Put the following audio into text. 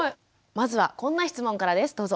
まずはこんな質問からです。